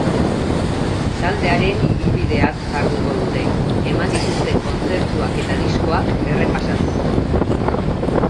Taldearen ibilbideaz jardungo dute, eman dituzten kontzertuak eta diskoak errepasatuz.